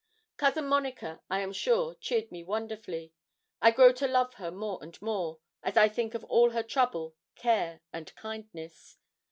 Cousin Monica, I am sure, cheered me wonderfully. I grow to love her more and more, as I think of all her trouble, care, and kindness.